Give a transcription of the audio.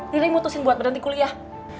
riri mutusin buat berhenti kuliah